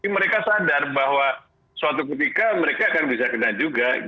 mereka sadar bahwa suatu ketika mereka akan bisa kena juga